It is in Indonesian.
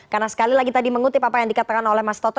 karena sekali lagi tadi mengutip apa yang dikatakan oleh mas toto